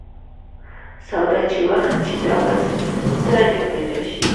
سودا یې واخیست چې دا به څه رنګ پیدا شي.